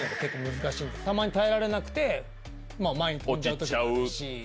たまに耐えられなくて前に跳んじゃう時があるし。